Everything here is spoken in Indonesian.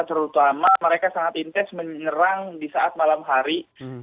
terutama mereka sangat intens menyerang di saat malam hari